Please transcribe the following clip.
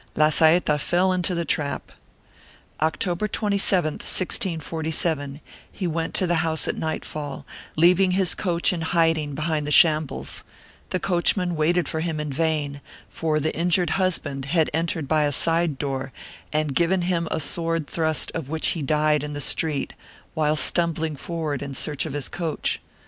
Lazaeta fell into the trap. October 27, 1647, he went to the house at nightfall, leaving his coach in hiding behind the shambles; the coachman waited for him in vain, for the injured husband had entered by a side door and given him a sword thrust of which he died in the street, while stumbling forward in search of his coach.